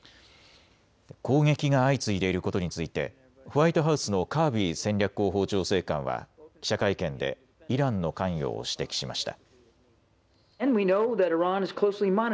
攻撃が相次いでいることについてホワイトハウスのカービー戦略広報調整官は記者会見でイランの関与を指摘しました。